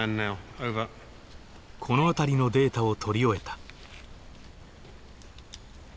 この辺りのデータを取り終えた。